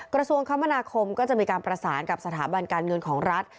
กระทรวงคมนาคมก็จะมีการประสานกับสถาบันการเงินของรัฐ